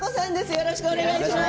よろしくお願いします。